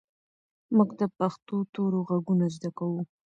موږ د پښتو تورو غږونه زده کوو.